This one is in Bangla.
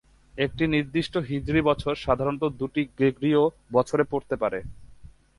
একটি নির্দিষ্ট হিজরি বছর সাধারণত দুটি গ্রেগরীয় বছরে পড়তে পারে।